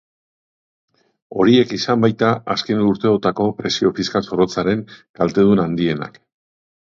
Horiek izan baita azken urteotako presio fiskal zorrotzaren kaltedun handienak.